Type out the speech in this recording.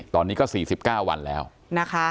ตอนนี้ก็๔๙วันแล้วนะคะ